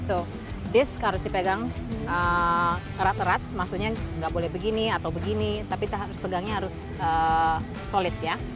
so this harus dipegang erat erat maksudnya nggak boleh begini atau begini tapi pegangnya harus solid ya